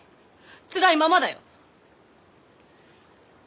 つらいままだよ。